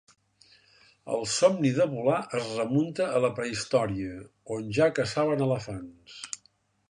El somni de volar es remunta a la prehistòria, on ja caçaven elefants.